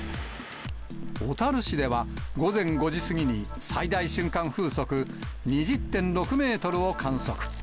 小樽市では、午前５時過ぎに最大瞬間風速２０．６メートルを観測。